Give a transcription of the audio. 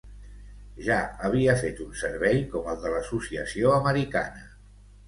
Ja havia fet un servei com el de l'Associació Americana.